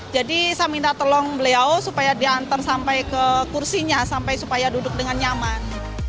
jadi saya minta tolong beliau supaya diantar sampai ke kursinya sampai supaya duduk dengan nyaman